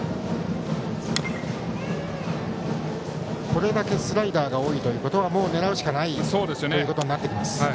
これだけスライダーが多いということはもう狙うしかないということになってきます。